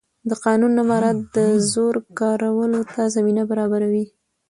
د قانون نه مراعت د زور کارولو ته زمینه برابروي